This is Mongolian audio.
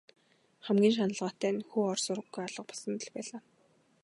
Хамгийн шаналгаатай нь хүү ор сураггүй алга болсонд л байлаа.